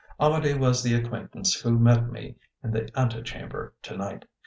Amedee was the acquaintance who met me in the antechamber to night.